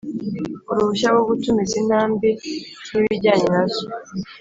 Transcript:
Uruhushya rwo gutumiza intambi n ibijyana na zo